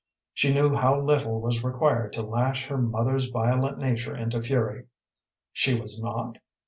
She knew how little was required to lash her mother's violent nature into fury. "She was not